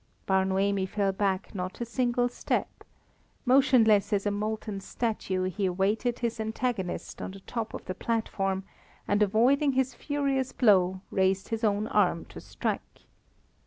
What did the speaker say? Bar Noemi fell back not a single step. Motionless as a molten statue, he awaited his antagonist on the top of the platform and avoiding his furious blow, raised his own arm to strike.